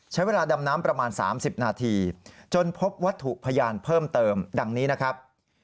ใช้เวลาดำน้ำประมาณ๓๐นาทีจนพบวัตถุพยานเพิ่มเติมดังนี้นะครับ